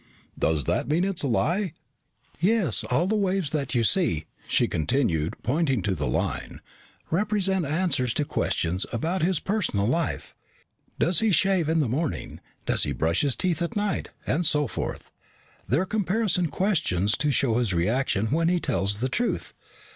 "Does that mean it's a lie?" "Yes. All the waves that you see," she continued, pointing to the line, "represent answers to questions about his personal life. Does he shave in the morning? Does he brush his teeth at night, and so forth. They're comparison questions to show his reaction when he tells the truth.